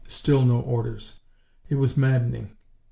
Still no orders. It was maddening!